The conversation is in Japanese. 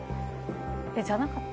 えじゃなかった？